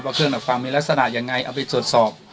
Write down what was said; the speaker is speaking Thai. เครื่องดับฟังมีลักษณะยังไงเอาไปตรวจสอบ